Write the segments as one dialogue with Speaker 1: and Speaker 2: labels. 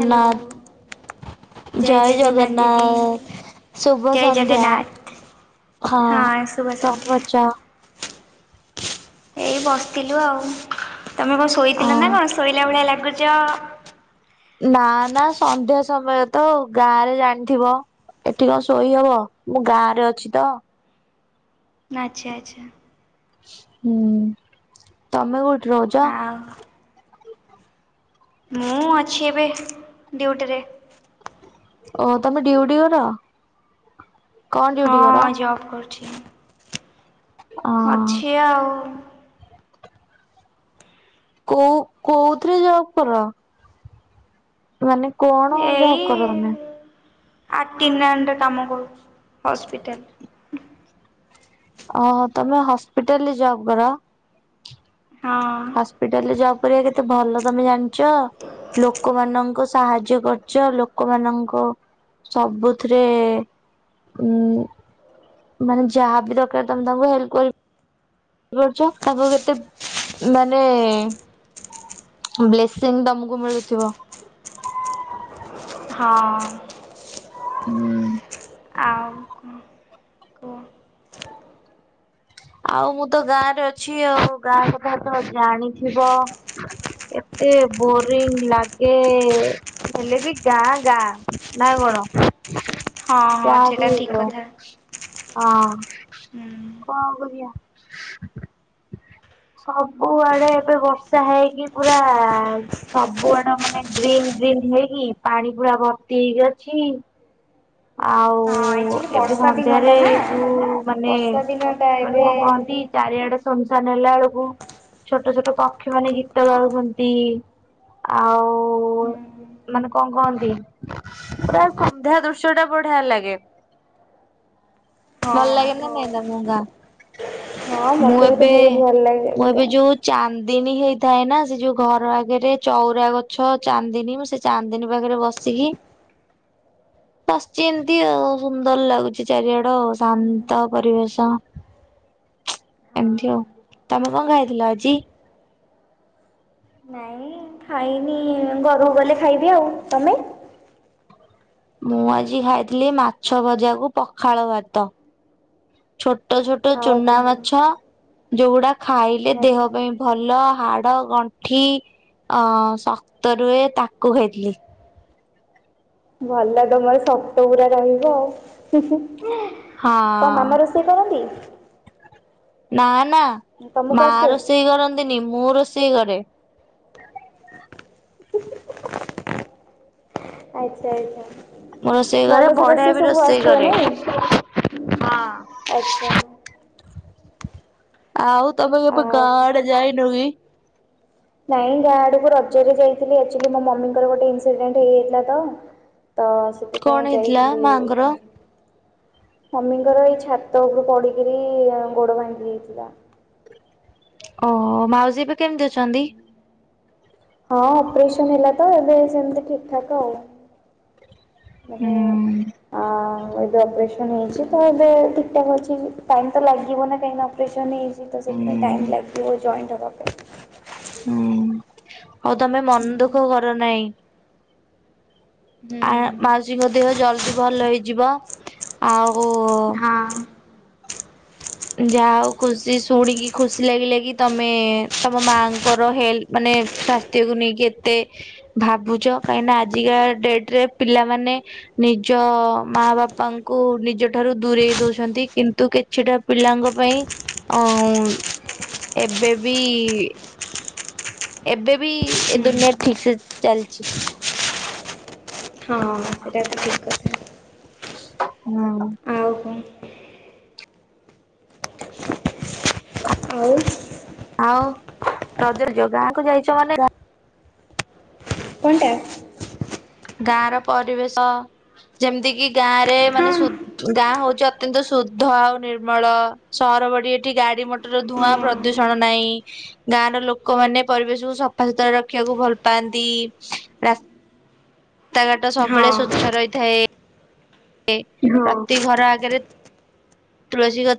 Speaker 1: Hello
Speaker 2: ଜୟ ଜଗନ୍ନାଥ ଶୁଭ
Speaker 1: ଜୟ
Speaker 2: ସଂନ୍ଧ୍ୟା।
Speaker 1: ଜଗନ୍ନାଥ
Speaker 2: ହଁ
Speaker 1: ଶୁଭ
Speaker 2: କଣ
Speaker 1: ସନ୍ଧ୍ୟା।
Speaker 2: କରୁଚ?
Speaker 1: ଏଇ ବସିଥିଲୁ ଆଉ ତମେ କଣ ଶୋଇଥିଲ ନା
Speaker 2: ହଁ।
Speaker 1: କଣ ଶୋଇଲା ଭଳି ଲାଗୁଚ?
Speaker 2: ନାଁ ନାଁ ସନ୍ଧ୍ୟା ସମୟ ତ ଆଉ ଗାଁ ରେ ଜାଣଥିବ। ଏଠି ଙ୍କ ଶୋଇ ହବ ମୁଁ ଗାଁ ରେ ଅଛି ତ।
Speaker 1: ଆଚ୍ଛା ଆଚ୍ଛା।
Speaker 2: ହୁଁ ତମେ କୋଉଠି ରୋଉଚ୍ଚ।
Speaker 1: ଆଉ ମୁଁ ଅଛି ଏବେ ଡିୟୁଟିରେ।
Speaker 2: ଓ ତମେ ଡିଉଟି କର। କଣ
Speaker 1: ହଁ
Speaker 2: ଡ୍ୟୁଟି କର?
Speaker 1: ଜବ୍ କରୁଚି।
Speaker 2: ଅ
Speaker 1: ଅଛି ଆଉ।
Speaker 2: କୋଉ କୋଉଥିରେ ଜବ କର? ମାନେ କଣ ଜବ କର ତମେ?
Speaker 1: ଅଟିନାଣ୍ଡ କାମ କରୁ ହସ୍ପିଟାଲ ରେ।
Speaker 2: ଓହୋ ତମେ ହସ୍ପିଟାଲ ରେ ଜବ୍ କର।
Speaker 1: ହଁ।
Speaker 2: ହସ୍ପିଟାଲରେ ଜବ କରିବା କେତେ ଭଲ ତମେ ଜାଣଚ। ଲୋକମାନଙ୍କୁ ସାହାଯ୍ୟ କରଚ ଲୋକମାନଙ୍କ ସବୁଥିରେ ଉଁ। ମାନେ ଯାହା ବି ଦରକାର ତମେ ତାଙ୍କୁ ହେଲ୍ପ କ କରୁଚ ତାଙ୍କୁ କେତେ ମାନେ। ବ୍ଲେସିଂ ତମକୁ ମିଳୁଥିବ।
Speaker 1: ହଁ।
Speaker 2: ହୁଁ।
Speaker 1: ଆଉ କଣ? କୁହ
Speaker 2: ଆଉ ମୁଁ ତ ଗାଁ ରେ ଅଛି ଆଉ ଗାଁ କଥା ତ ଜାଣିଥିବ। କେତେ ବୋରିଂ ଲାଗେ। ହେଲେ ବି ଗାଁ ଗାଁ ନା କଣ?
Speaker 1: ହଁ ହଁ
Speaker 2: ଯାହା
Speaker 1: ସେଇଟା
Speaker 2: ବି
Speaker 1: ଠିକ
Speaker 2: ହେଇଯାଉ
Speaker 1: କଥା
Speaker 2: ହଁ
Speaker 1: ହୁଁ।
Speaker 2: କଣ କ ଇଆ।
Speaker 1: ହ [inaudible]
Speaker 2: ସବୁଆଡେ ଏବେ ବର୍ଷା ହେଇକି ପୁରା। ସବୁଆଡ ମାନେ ଗ୍ରୀନ୍ ଗ୍ରୀନ୍ ହେଇକି ପାଣି ପୁରା ଭର୍ତ୍ତି ହେଇକି ଅଛି। ଆଉ।
Speaker 1: ହଁ
Speaker 2: ଓ
Speaker 1: ଆକ୍ଚୁଆଲି
Speaker 2: ଏବେ
Speaker 1: ବର୍ଷା ଦିନଟା
Speaker 2: ସନ୍ଧ୍ୟାରେ
Speaker 1: ନା
Speaker 2: ଯୋଉ ମାନେ
Speaker 1: ବର୍ଷା ଦିନଟା ଏବେ
Speaker 2: [unintelligible] ଖାନ୍ତି। ଚାରିଆଡେ ଶୁନସାନ ହେଲା ବେଳୁକୁ ଛୋଟ ଛୋଟ ପକ୍ଷୀ ମାନେ ଗୀତ ଗାଉଚନ୍ତି। ଆଉ ମାନେ କଣ କହନ୍ତି ପୁରା ସନ୍ଧ୍ୟା ଦୃ ସେଉଟା ବଢିଆ ଲାଗେ।
Speaker 1: ହଁ
Speaker 2: ଭଲ ଲାଗେ ନା
Speaker 1: ହଁ
Speaker 2: ନାଇଁ ତମକୁ ଗାଁ?
Speaker 1: ହଁ
Speaker 2: ମୁଁ
Speaker 1: ମୋତେ ବି ତ
Speaker 2: ଏବେ
Speaker 1: ବହୁତ ଭଲ ଲାଗେ
Speaker 2: ମୁଁ ଏବେ
Speaker 1: ଗାଁ
Speaker 2: ଯୋଉ। ଚାନ୍ଦିନୀ ହେଇଥାଏ ନା ସେ ଯୋଉ ଘର ଆଗେରେ ଚଉରା ଗଛ ଚାନ୍ଦିନୀ ମୁଁ ସେ ଚାନ୍ଦିନୀ ପାଖରେ ବସିକି। ବସିଚି ଏମିତି ଆଉ ସୁନ୍ଦର ଲାଗୁଚି ଚାରିଆଡ ଶାନ୍ତ ପରିବେଶ। ଏମତି
Speaker 1: ହଁ
Speaker 2: ଆଉ। ତମେ କଣ ଖାଇଥିଲ ଆଜି?
Speaker 1: ନାଇଁ। ଖାଇନି ଘରୁକୁ ଗଲେ ଖାଇବି। ଆଉ ତମେ?
Speaker 2: ମୁଁ ଆଜି ଖାଇଥିଲି ମାଛ ଭଜାକୁ ପଖାଳ ଭାତ। ଛୋଟ ଛୋଟ
Speaker 1: ଆଉ
Speaker 2: ଚୁନା
Speaker 1: କଣ
Speaker 2: ମାଛ ଯୋଉଗୁଡା ଖାଇଲେ ଦେହ
Speaker 1: ଆଚ୍ଛା
Speaker 2: ପାଇଁ ଭ ଭଲ ହାଡ, ଗଣ୍ଠି ଅ ଶକ୍ତ ରୁହେ ତାକୁ ଖାଇଥିଲି।
Speaker 1: ଭଲ ତମର ସକ୍ତ ପୁରା ରହିବ ଆଉ ହୁଁ ହୁଁ ତମ
Speaker 2: ହଁ।
Speaker 1: ମାମା ରୋଷ ସେ କରନ୍ତି।
Speaker 2: ନାଁ ନାଁ
Speaker 1: ତମକୁ
Speaker 2: ମା
Speaker 1: ଆସେ?
Speaker 2: ରୋଷେଇ କରନ୍ତିନି ମୁଁ ରୋଷେଇ କରେ।
Speaker 1: ଆଚ୍ଛା ଆଚ୍ଛା।
Speaker 2: ମୁଁ ରୋଷେଇ କରେ
Speaker 1: ଭଲସେ
Speaker 2: ବଢିଆ ବି
Speaker 1: ସବୁ
Speaker 2: ରୋଷେଇ
Speaker 1: ଆସୁଥିବ
Speaker 2: କରେ
Speaker 1: ନାଇଁ
Speaker 2: ହଁ।
Speaker 1: ଆଚ୍ଛା।
Speaker 2: ଆଉ ତମେ କେବେ ଗାଁ
Speaker 1: ଆଉ
Speaker 2: ଆଡେ ଯାଇନ କି?
Speaker 1: ନାଇଁ ଗାଁ ଆଡକୁ ରଜରେ ଯାଇଥିଲି ଆକ୍ଚୁଆଲି ମୋ ମମିଙ୍କର ଗୋଟେ ଇନସିଡେଣ୍ଟ ହେଇଯାଇଥିଲା ତ। ତ
Speaker 2: କଣ
Speaker 1: ସେଥିପାଇଁ
Speaker 2: ହେଇଥିଲା
Speaker 1: ଯାଇଥିଲି
Speaker 2: ମାଆଙ୍କର?
Speaker 1: ତାଙ୍କ ସହ। ମମିଙ୍କର ଏଇ ଛାତ ଉପରୁ ପଡିକିରି ଅଁ ଗୋଡ ଭାଙ୍ଗି ଯାଇଥିଲା।
Speaker 2: ଓହୋ ମାଉସୀ ଏବେ କେମିତି ଅଛନ୍ତି?
Speaker 1: ହଁ ଅପରେସନ ହେଲା ତ ଏବେ ସେମିତି ଠିକ ଠାକ ଆଉ।
Speaker 2: ହୁଁ
Speaker 1: ମାନେ ଅଁ। ହଁ ଏବେ ଅପରେସନ ହେଇଛି ତ ଏବେ ଠିକ ଠାକ ଅଛି ଟାଇମ ତ ଲାଗିବ ନା କାହିଁକି ନା ଅପରେସନ ହେଇ ତ
Speaker 2: ହୁଁ
Speaker 1: ସେଥିପାଇଁ ଟାଇମ ଲାଗିବ ଜଏଣ୍ଟ ହେବା ପାଇଁ।
Speaker 2: ହୁଁ ଆଉ ତମେ ମନ ଦୁଃଖ କର ନାହିଁ। ଆ
Speaker 1: ହୁଁ
Speaker 2: ମାଉସିଙ୍କ ଦେହ ଜଲଦି ଭଲ ହେଇଯିବ। ଆଉ।
Speaker 1: ହଁ।
Speaker 2: ଯାହା ହଉ ଖୁସି ଶୁଣିକି ଖୁସି ଲାଗିଲା କି ତମେ ତମ ମାଙ୍କର ହେଲ ମାନେ। ସ୍ଵାସ୍ଥ୍ୟକୁ ନେଇକି ଏତେ ଭାବୁଛ କାହିଁକି ନା ଆଜିକା ଡେଟ ରେ ପିଲାମାନେ। ନିଜ ମା ବାପାଙ୍କୁ ନିଜ ଠାରୁ ଦୂରେଇ ଦଉଛନ୍ତି। କିନ୍ତୁ କିଛିଟା ପିଲାଙ୍କ ପାଇଁ ଅ, ଏବେ ବି ଏବେ ବି ଏ ଦୁନିଆ ଠିକ ସେ ଚାଲିଛି।
Speaker 1: ହଁ, ଏଟା ଠିକ୍। କଥା
Speaker 2: ହଁ।
Speaker 1: ଆଉ କଣ? ଆଉ
Speaker 2: ଆଉ ରଜ ରେ ଯୋଉ ଗାଁ କୁ ଯାଇଛ ମାନେ ଗାଁ
Speaker 1: କଣ ଟା?
Speaker 2: ଗାଁ ର ପରିବେଶ, ଯେମିତି କିି ଗାଁରେ ମାନେ
Speaker 1: ହଁ
Speaker 2: ସୁ ଗାଁ ହଉଚୁ ଅତ୍ୟନ୍ତ ଶୁଦ୍ଧ ଆଉ ନିର୍ମଳ। ସହର ବଡି ଏଠି ଗାଡି ମ ଟର ଧୂଆଁ ପ୍ରଦୂଷଣ ନାଇଁ। ଗାଁ ର ଲୋକମାନେ ପରିବେଶକୁୁ ସଫା ସୁତୁରା ରଖିବାକୁ ଭଲ ପାଆନ୍ତି। ରାସ ତାଘାଟ ସବେଳେ
Speaker 1: ହଁ।
Speaker 2: ସ୍ଵଚ୍ଛ ରହିଥାଏ। ପ୍ରତି ଘର ଆଗରେ ତୁଳସୀ ଗ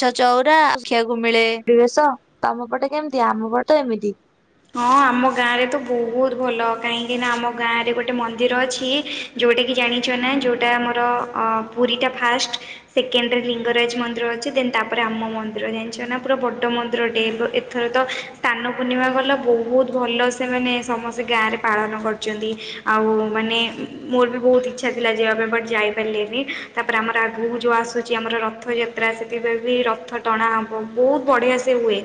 Speaker 2: ଛ ଚଉରା ଦେଖିଆକୁ ମିଳେ। ରିବେଶ ତୋମ ପଟେ କେମତି? ଆମ ପଟେ ଏମିତି।
Speaker 1: ହଁ ଆମ ଗାଁରେ ତ ବହୁତ ଭଲ କାହିଁକି ନା ଆମ ଗାଁରେ ଗୋଟେ ମନ୍ଦିର ଅଛି। ଯୋଉଟାକି ଜାଣିଛ ନା ଯୋଉଟା ଆମର ଅଁ, ପୁରୀ ଟା ଫାଷ୍ଟ। ସେକେଣ୍ଡ ରେ ଲିଙ୍ଗରାଜ ମନ୍ଦିର ଅଛି ଦେନ୍ ତାପରେ ରାମ ମନ୍ଦିର ଜାଣିଛ ନା ପୁରା ବଡଡ ମନ୍ଦିର ଟେ। ଏବ ଏ ଥର ତ ସ୍ନାନ ପୂର୍ଣ୍ଣିମା ଗଲା ବହୁତ ଭଲ ସେ ମାନେ ସମସ୍ତେ ଗାଁରେ ପାଳନ କରିଛନ୍ତି। ଆଉ ମାନେ ଉଁ, ମୋର ବି ବହୁତ ଇଚ୍ଛା ଥିଲା ଯିବା ପାଇଁ ବଟ୍ ଯାଇପାରିଲିନି। ତା ପରେ ଆମର ଆଗକୁ ଯେଉଁ ଆସୁଚି ଆମର ରଥଯାତ୍ ତ୍ରା ସେଥିପାଇଁ ବି ରଥ ଟଣା ହବ ବହୁତ ବଢିଆ ସେ ହୁଏ।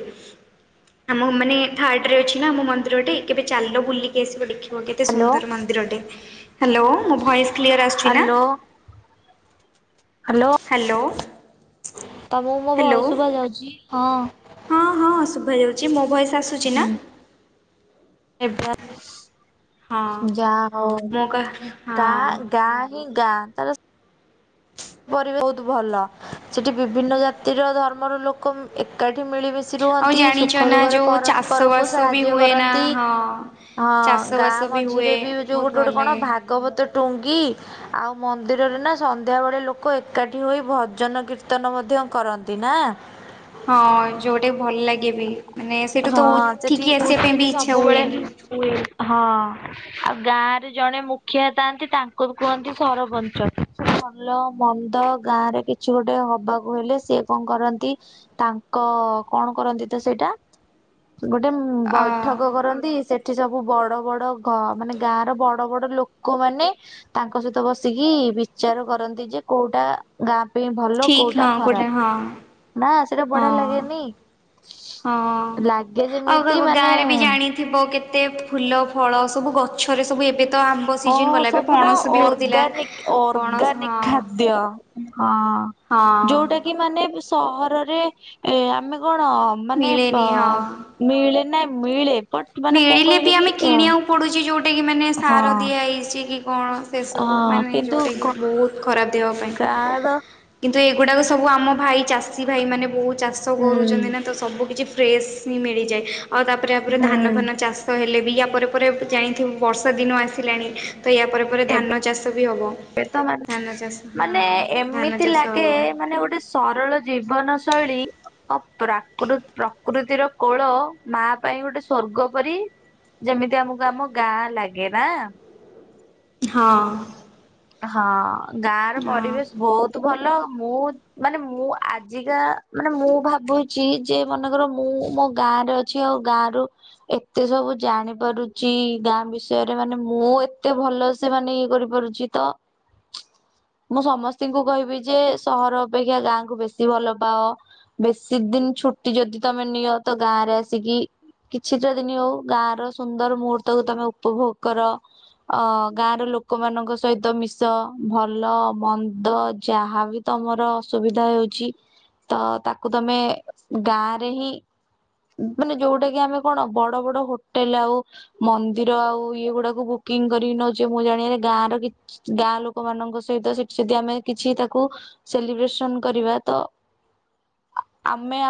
Speaker 1: ଆମ ମାନେ ଥାର୍ଡ ରେ ଅଛି ନା ଆମ ମନ୍ଦିରଟେ କେବେ ଚାଲ ବୁଲିକି ଆସିବ। ଦେଖି ବ କେତେ
Speaker 2: ହ୍ୟାଲୋ
Speaker 1: ସୁନ୍ଦର ମନ୍ଦିରଟେ। ହ୍ୟାଲୋ, ମୋ ଭଏସ୍ କ୍ଲିୟର୍ ଆସୁଛି ନା?
Speaker 2: ହାଲୋ।
Speaker 1: ହ୍ୟାଲୋ।
Speaker 2: ତୋମକୁ ମୋ
Speaker 1: ହ୍ୟାଲୋ।
Speaker 2: ଭଏସ୍ ଶୁଭା ଯାଉଚି?
Speaker 1: ହଁ, ହଁ ଶୁଭା ଯାଉଛି। ମୋ ଭଏସ୍ ଆସୁଛି ନା?
Speaker 2: ଏବେ ଆଇଲା।
Speaker 1: ହଁ
Speaker 2: ଯା ହଉ
Speaker 1: ମୁଁ କ
Speaker 2: ଗା
Speaker 1: ହଁ।
Speaker 2: ଗା ହିଁ ଗାଁ ତାର
Speaker 1: ହଁ
Speaker 2: ପରି [inaudible] ବହୁତ ଭଲ। ସେଠି ବିଭିନ୍ନ ଜାତିର ଧର୍ମର ଲୋକ ଉଁ, ଏକାଠି ମିଳିମିଶ ଶି
Speaker 1: ଆଉ
Speaker 2: ରୁହନ୍ତି।
Speaker 1: ଜାଣିଛ
Speaker 2: ସୁଖ
Speaker 1: ନା
Speaker 2: ଦୁଖରେ
Speaker 1: ଯୋଉ ଚାଷ
Speaker 2: ପରସ୍ପର କୁ
Speaker 1: ବାସ ବି
Speaker 2: ସାହାଯ୍ୟ
Speaker 1: ହୁଏ ନା
Speaker 2: କରନ୍ତି।
Speaker 1: ହଁ।
Speaker 2: ହଁ
Speaker 1: ଚାଷବାସ
Speaker 2: ଗାଁ
Speaker 1: ହୁଏ
Speaker 2: ମଝିରେ ବି ଯୋଉ
Speaker 1: ବହୁତ
Speaker 2: ଗୋଟେ
Speaker 1: ଭଲ
Speaker 2: ଗୋଟେ କଣ
Speaker 1: ଲାଗେ।
Speaker 2: ଭା ଗବତ ଟୁଙ୍ଗି ଆଉ ମନ୍ଦିରରେ ନା ସନ୍ଧ୍ୟାବେଳେ ଲୋ କ ଏକାଠି ହୋଇ ଭଜନ କୀର୍ତ୍ତନ ମଧ୍ୟ କରନ୍ତି ନା?
Speaker 1: ହଁ ଯୋଉଟା ଭଲ ଲାଗେ ବି ମାନେ ସେଠୁ
Speaker 2: ହଁ
Speaker 1: ତ ଉଠିକି ଆସିବା ପାଇଁ ବି ଇଚ୍ଛା ହୁଏନି।
Speaker 2: ସେ, ହଁ। ଆଉ ଗାଁରେ ଜଣେ ମୁଖିଆ ତାଆନ୍ତି ତାଙ୍କୁ କୁହନ୍ତି ସରପଞ୍ଚ। ଭଲ ମନ୍ଦ ଗାଁ ରେ କିଛି ଗୋଟେ ହବାକୁ ହେଲେ ସିଏ କଣ କରନ୍ତି ତାଙ୍କ କଣ କରନ୍ତି ତ ସେଇଟା ଗୋଟେ ଉଁ,
Speaker 1: ଅ
Speaker 2: ବୈଠକ କରନ୍ତି। ସେ ସେଠି ସବୁ ବଡ ବଡ ଘ- ମାନେ ଗାଁର ବଡ ବଡ ଲୋକମାନେ ତାଙ୍କ ସହିତ ବସିକି ବିଚାର କରନ୍ତି ଯେ କୋଉଟା ଗାଁ ପାଇଁ ଭଲ
Speaker 1: ଠିକ୍
Speaker 2: କୋଉଟା
Speaker 1: ହଁ
Speaker 2: ଖରାପ।
Speaker 1: ହଁ
Speaker 2: ନା ସେଇଟା ବଢିଆ
Speaker 1: ହଁ।
Speaker 2: ଲାଗେନି?
Speaker 1: ହଁ,
Speaker 2: ଲାଗେ
Speaker 1: ଆଉ
Speaker 2: ଯେମିତି
Speaker 1: କାହାକୁ
Speaker 2: ମାନେ
Speaker 1: ଗାଁରେ ବି ଜାଣି ଥିବ କେତେ ଫୁଲ, ଫଳ ସବୁ ଗଛରେ ସବୁ ଏବେ ତ ଆମ୍ବ
Speaker 2: ହଁ,
Speaker 1: ସିଜନ
Speaker 2: ହଁ
Speaker 1: ଗଲା ଏବେ
Speaker 2: ସବୁ ନା
Speaker 1: ପଣସ ବି ହଉଥିଲା।
Speaker 2: ଅର୍ଗାନିକ
Speaker 1: ପଣସ
Speaker 2: ଅର୍ଗାନିକ
Speaker 1: ହଁ
Speaker 2: ଖାଦ୍ୟ। ହଁ ଯୋଉଟା କି ମାନେ ବି ସହରରେ ଏ ଆମେ କଣ ମାନେ
Speaker 1: ମିଳେନି ହଁ।
Speaker 2: ବ-ଅ, ମିଳେ ନା ମିଳେ, ବଟ୍ ମାନେ କଣ
Speaker 1: ମିଳିଲେ ବି
Speaker 2: କହିଲେ କି
Speaker 1: ଆମେ
Speaker 2: ଅ,
Speaker 1: କିଣିବାକୁ ପଡୁଛି ଯୋଉଟା କି ମାନେ ସାର ଦିଆ ହେଇଛି କି କଣ। ସେସବୁ
Speaker 2: ହଁ
Speaker 1: ମାନେ
Speaker 2: କିନ୍ତୁ
Speaker 1: ଯେଉଁଟାକି ବହୁତ ଖରାପ ଦେହ ପାଇଁ।
Speaker 2: ଗାଁ ର
Speaker 1: କିନ୍ତୁ ଏଗୁଡ଼ାକ ସବୁ ଆମ ଭାଈ ଚାଷୀ ଭାଈ ମାନେ ବହୁ ଚାଷ
Speaker 2: ହୁଁ
Speaker 1: କରୁଛନ୍ତି ନା ତ ସବୁ କିଛି ଫ୍ରେସ୍ ହିଁ ମିଳିଯାଏ ଆଉ ତାପରେପରେ ଧାନ
Speaker 2: ହୁଁ
Speaker 1: ଫାନ ଚାଷ ହେଲେ ବି ୟା ପରେ ପରେ ଜାଣିଥିବୁ ବର୍ଷା ଦିନ ଆସିଲାଣି ତ ୟା ପରେ ପରେ
Speaker 2: ଏବେ
Speaker 1: ଧାନ ଚାଷ ବି ହେବ।
Speaker 2: ଏବେ ତ ମାନେ
Speaker 1: ଧାନ ଚାଷ ହଁ
Speaker 2: ମାନେ
Speaker 1: ଧାନ
Speaker 2: ଏମିତି
Speaker 1: ଚାଷ
Speaker 2: ଲାଗେ ମାନେ ଗୋଟେ ସରଳ ଜୀବନ ଶୈଳୀ। ଅ ପ୍ରାକୃ ପ୍ରକୃତିର କୋଳ ମା ପାଇଁ ଗୋଟେ ସ୍ଵର୍ଗ ପରି। ଯେମିତି ଆମକୁ ଆମ ଗାଁ ଲାଗେ ନା।
Speaker 1: ହଁ।
Speaker 2: ହଁ ଗାଁର
Speaker 1: ହଁ
Speaker 2: ପରିବେଶ ବହୁତ ଭଲ ମୁଁ ମାନେ ମୁଁ ଆଜିକା ମାନେ ମୁଁ ଭାବୁଚି ଯେ ମନେକର ମୁଁ ମୋ ଗାଁରେ ଅ ଅଛି ଆଉ ଗାଁରୁ ଏତେ ସବୁ ଜାଣି ପାରୁଛି ଗାଁ ବିଷୟରେ ମାନେ ମୁଁ ଏତେ ଭଲ ସେମାନେ ଇଏ କରିପାରୁଛି ତ ମୁଁ ସମସ୍ତିଙ୍କୁ କହିବି ଯେ ସହର ଅପେକ୍ଷା ଗାଁକୁ ବେଶୀ ଭଲ ପାଅ। ବେଶୀ ଦିନି ଛୁଟି ଯଦି ତମେ ନିଅ ତ ଗାଁ ରେ ଆସିକି କିଛିଟା ଦିନି ହଉ ଗାଁର ସୁନ୍ଦର ମୁହୂର୍ତ୍ତକୁୁ ତମେ ଉପଭୋଗ କର ଅ ଗାଁର ଲୋକମାନଙ୍କ ସହିତ ମିଶ ଭଲ ମନ୍ଦ ଯାହାବି। ତମର ଅସୁବିଧା ହେଉଛି ତ ତାକୁ ତମେ ଗାଁରେ ହିଁ ମାନେ ଯୋଉଟା କି ଆମେ କଣ ବଡ ବଡ ହୋଟେଲ ଆଉ ମନ୍ଦିର ଆଉ ଇଏ ଗୁଡାକୁ ବୁକିଂ କରିକି ନ ଯେ ମୁଁ ଜାଣିବାରେ ଗାଁର ଗାଁ ଲୋକ ମାନଙ୍କ ସହିତ ସେଠି ଯଦି ଆମେ କିଛି ତାକୁ ସେଲିବ୍ରେସନ କରିବା ତ ଆମେ ଆ-